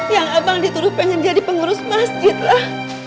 yang abang dituduh pengen jadi pengurus masjid lah